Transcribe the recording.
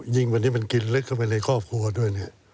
ยิงวันนี้มันกินเล็กเข้าไปในครอบครัวด้วย